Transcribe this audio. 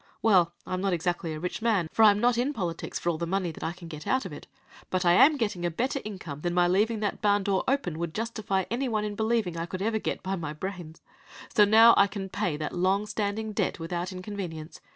Well, I am not exactly a rich man, for I am not in politics for all the money I can get out of it, but I am getting a better income than my leaving that barn door open would justify any one in believing I ever could get by my brains; so now I can pay that long standing debt without inconvenience.